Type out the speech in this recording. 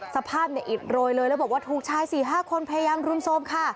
สภาพเนี่ยอิดโรยเลยแล้วบอกว่าถูกชาย๔๕คนพยายามรุมโทรมค่ะ